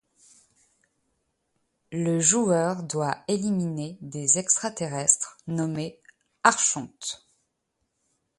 Le joueur doit éliminer des extra-terrestres nommés Archontes.